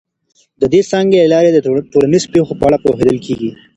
د دې څانګې له لاري د ټولنیزو پیښو په اړه پوهیدل کیږي.